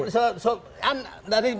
saya juga jalan